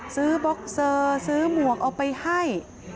บ็อกเซอร์ซื้อหมวกเอาไปให้